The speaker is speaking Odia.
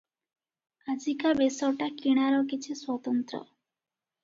ଆଜିକା ବେଶଟା କିଣାର କିଛି ସ୍ୱତନ୍ତ୍ର ।